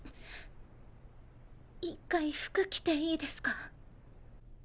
一回服着ていいですか？